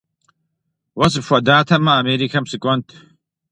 Уэ сыпхуэдатэмэ, Америкэм сыкӀуэнт.